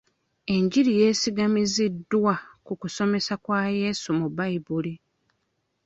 Enjiri yesigamiziddwa ku kusomesa kwa Yesu mu bayibuli.